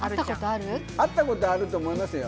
会ったことあると思いますよ。